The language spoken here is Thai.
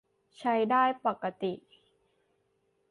ใช้ได้ปกติ